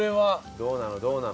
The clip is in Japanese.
どうなの？